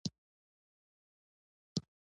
کوچنۍ کښتۍ له لارې د سیند دواړو غاړو ته تګ راتګ کوي